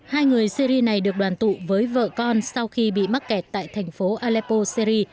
hai người syri này được đoàn tụ với vợ con sau khi bị mắc kẹt tại thành phố alepo syri